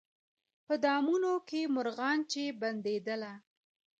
په دامونو کي مرغان چي بندېدله